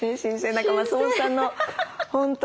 何か松本さんの本当。